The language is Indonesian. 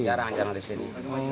jarang jarang di sini